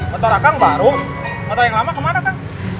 motor kang baru motor yang lama kemana kang